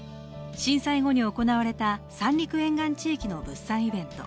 震災後に行われた三陸沿岸地域の物産イベント